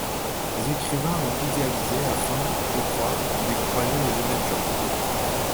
Les écrivains l'ont idéalisé afin, je crois, de décourager les honnêtes gens.